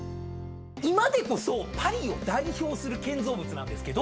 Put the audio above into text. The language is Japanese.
今でこそパリを代表する建造物なんですけど。